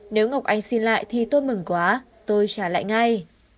nếu ngọc anh xin lại thì tôi mừng quá tôi trả lại ngay